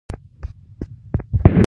د صبریو ولسوالۍ پراخه ده